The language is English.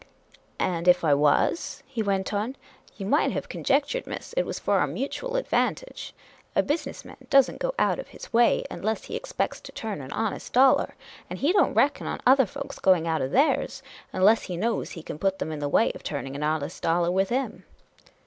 " And if I was," he went on, " you might have con jectured, miss, it was for our nuitual advantage. A busi ness man don't go out of his way unless he expects to turn an honest dollar ; and he don't reckon on other folks going out of theirs, unless he knows he can put them in the way of turning an honest dollar with him."